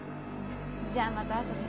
じゃあまた後で。